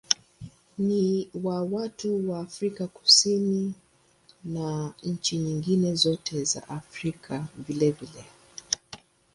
Ni wa watu wa Afrika Kusini na wa nchi nyingine zote za Afrika vilevile.